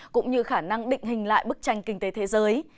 cũng như khả năng định hình lại bức tranh kinh tế thế giới